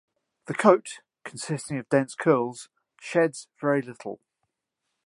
The coat, consisting of dense curls, sheds very little.